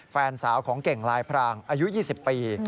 แฟนสาวของเก่งลายพรางอายุ๒๐ปี